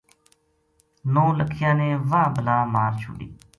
نو لکھیا نے واہ بلا مار چھوڈی